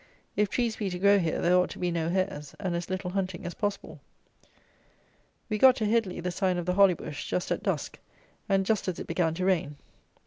If trees be to grow here, there ought to be no hares, and as little hunting as possible. We got to Headly, the sign of the Holly Bush, just at dusk, and just as it began to rain.